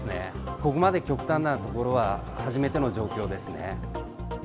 ここまで極端なことは初めての状況ですね。